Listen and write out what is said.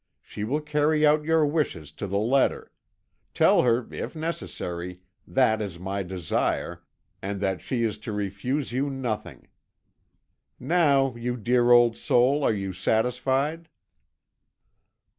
She will carry out your wishes to the letter tell her, if necessary, that it is my desire, and that she is to refuse you nothing.' Now, you dear old soul, are you satisfied?"